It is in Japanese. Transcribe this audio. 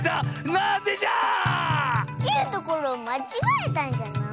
なぜじゃ⁉きるところをまちがえたんじゃない？